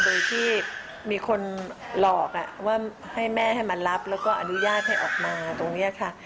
โดยที่มีคนหลอกว่าให้แม่ให้มารับแล้วก็อนุญาตให้ออกมาตรงนี้ค่ะ